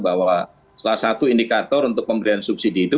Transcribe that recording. bahwa salah satu indikator untuk pemberian subsidi itu